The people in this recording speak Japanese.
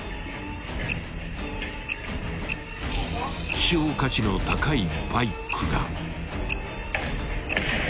［希少価値の高いバイクが］